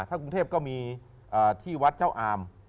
ถ้ากรุงเทพก็มีที่วัดเจ้าอาม